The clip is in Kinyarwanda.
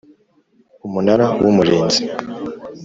Umunara w umurinzi